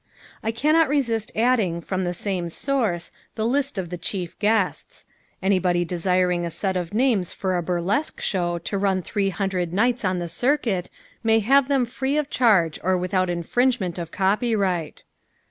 I cannot resist adding from the same source the list of the chief guests. Anybody desiring a set of names for a burlesque show to run three hundred nights on the circuit may have them free of charge or without infringement of copyright.